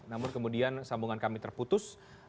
namun kemudian sambungan kami terputus